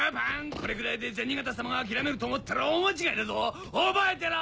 これぐらいで銭形さまが諦めると思ったら大間違いだぞ覚えてろ！